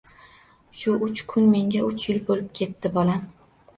Shu uch kun menga uch yil bo‘lib ketdi, bolam